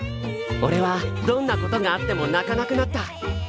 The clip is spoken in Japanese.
おれはどんなことがあっても泣かなくなった。